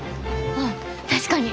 ああ確かに。